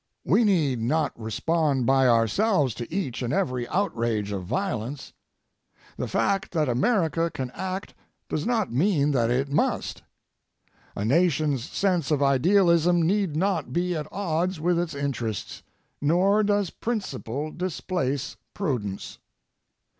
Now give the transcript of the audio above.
We need not respond by ourselves to each and every outrage of violence. The fact that America can act does not mean that it must. A nation's sense of idealism need not be at odds with its interests, nor does principle displace prudence.